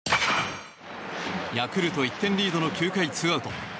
ヤクルト１点リードの９回、２アウト。